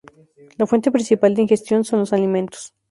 La fuente principal de ingestión son los alimentos.